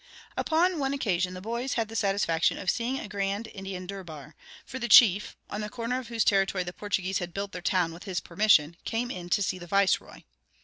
Upon one occasion the boys had the satisfaction of seeing a grand Indian durbar; for the chief, on the corner of whose territory the Portuguese had built their town with his permission, came in to see the viceroy.